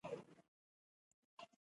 دا لاس مې درد کوي